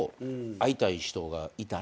会いたい人がいたら。